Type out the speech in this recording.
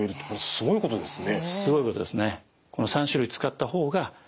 すごいことですね。